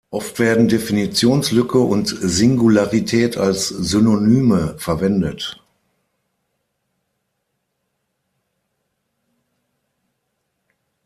Oft werden Definitionslücke und Singularität als Synonyme verwendet.